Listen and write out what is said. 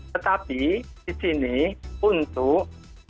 tetapi disini untuk